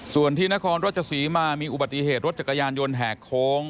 ส่วนที่นครราชศรีมามีอุบัติเหตุรถจักรยานยนต์แหกโค้ง